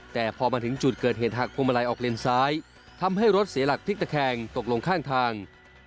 แต่พอมาถึงจุดเกิดเหตุหักพวงมาลัยออกเลนซ้ายทำให้รถเสียหลักพลิกตะแคงตกลงข้างทาง